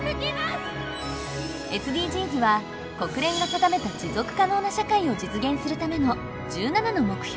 ＳＤＧｓは国連が定めた持続可能な社会を実現するための１７の目標。